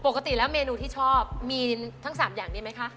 ปกติแล้วเมนูที่ชอบมีทั้ง๓อย่างนี้ไหมคะ